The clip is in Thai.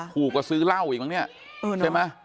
ถูกก็ซื้อเล่าอีกมั้งนี่ดีว่า